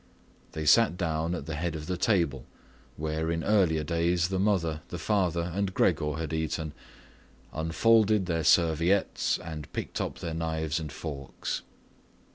They sat down at the head of the table, where in earlier days the mother, the father, and Gregor had eaten, unfolded their serviettes, and picked up their knives and forks.